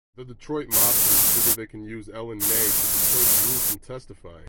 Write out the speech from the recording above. The Detroit mobsters figure they can use Ellen May to deter Drew from testifying.